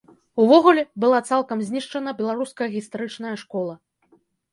Увогуле, была цалкам знішчана беларуская гістарычная школа.